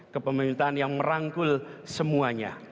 kepemerintahan yang merangkul semuanya